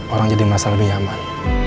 orang jadi merasa lebih nyaman